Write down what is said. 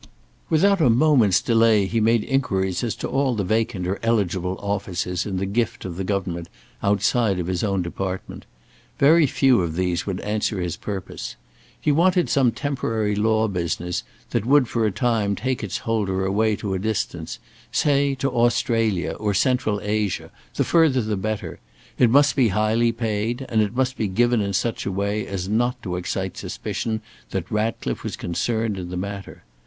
Without a moment's delay he made inquiries as to all the vacant or eligible offices in the gift of the government outside his own department. Very few of these would answer his purpose. He wanted some temporary law business that would for a time take its holder away to a distance, say to Australia or Central Asia, the further the better; it must be highly paid, and it must be given in such a way as not to excite suspicion that Ratcliffe was concerned in the matter.